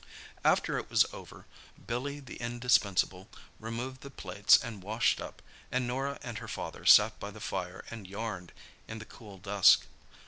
After it was over, Billy the indispensable removed the plates and washed up, and Norah and her father sat by the fire and "yarned" in the cool dusk.